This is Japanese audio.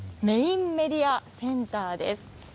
メインメディアセンターです。